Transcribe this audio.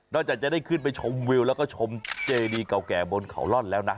จากจะได้ขึ้นไปชมวิวแล้วก็ชมเจดีเก่าแก่บนเขาล่อนแล้วนะ